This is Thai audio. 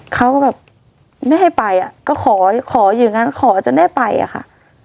เขาก็แบบไม่ให้ไปอ่ะก็ขอขออย่างนั้นขอจนได้ไปอะค่ะ